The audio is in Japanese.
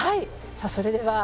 さあそれでは。